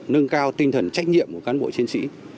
nâng cao tinh thần trách nhiệm của cán bộ chiến sĩ